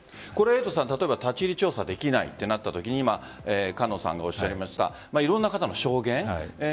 例えば立ち入り調査できないとなったときに菅野さんがおっしゃいましたいろんな方の証言